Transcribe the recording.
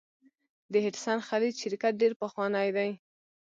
د هډسن خلیج شرکت ډیر پخوانی دی.